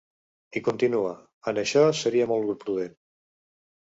I continua: En això seria molt prudent.